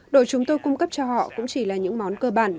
đồ chúng tôi cung cấp cho họ cũng chỉ là những món cơ bản